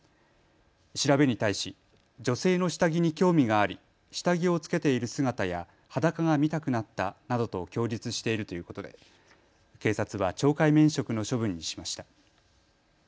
調べに対し女性の下着に興味があり下着を着けている姿や裸が見たくなったなどと供述しているということで警察は懲戒免職の処分にしました。